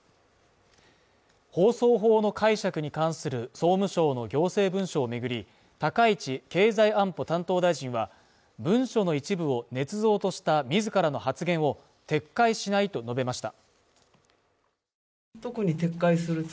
放送法の解釈に関する総務省の行政文書を巡り、高市経済安保担当大臣は文書の一部を捏造とした自らの発言を撤回しないと述べました。